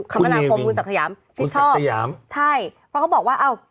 คุณเนวินคุณสักทยามคุณสักทยามใช่เพราะเขาบอกว่าอ้าว